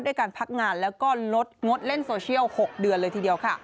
การพักงานแล้วก็ลดงดเล่นโซเชียล๖เดือนเลยทีเดียวค่ะ